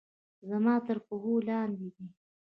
زما تر پښو لاندې دي